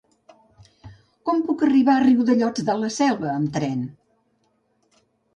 Com puc arribar a Riudellots de la Selva amb tren?